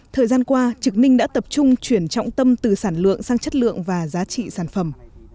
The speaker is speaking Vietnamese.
thời gian qua trực ninh đã tập trung chuyển trọng tâm từ sản lượng sang chất lượng và giá trị sản phẩm